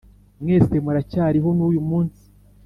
mwese muracyariho n’uyu munsi.